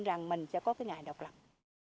rằng mình sẽ có cái ngày độc lập